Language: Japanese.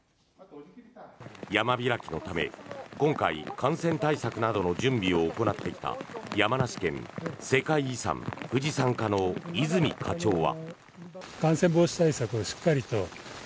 山開きのため今回、感染対策などの準備を行ってきた山梨県世界遺産富士山課の和泉課長は。